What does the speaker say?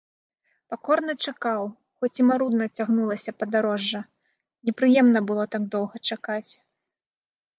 Пакорна чакаў, хоць і марудна цягнулася падарожжа, непрыемна было так доўга чакаць.